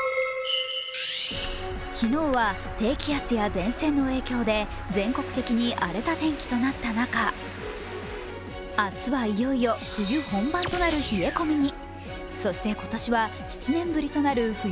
昨日は低気圧や前線の影響で全国的に荒れた天気となった中、明日はいよいよ冬本番となる冷え込みに。